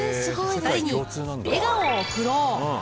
２人に笑顔を送ろう。